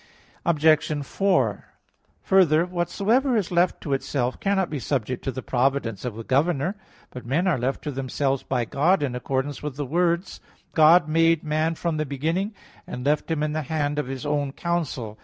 Obj. 4: Further, whatsoever is left to itself cannot be subject to the providence of a governor. But men are left to themselves by God in accordance with the words: "God made man from the beginning, and left him in the hand of his own counsel" (Ecclus.